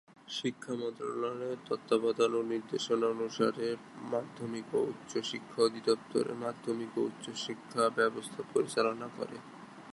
শিক্ষা মন্ত্রণালয়ের তত্ত্বাবধান ও নির্দেশনা অনুসারে মাধ্যমিক ও উচ্চশিক্ষা অধিদপ্তর মাধ্যমিক ও উচ্চতর শিক্ষা ব্যবস্থা পরিচালনা করে।